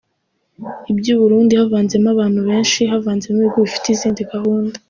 Iby’uburundi havanzemo abantu benshi, havanzemo ibihugu bifite izindi gahunda.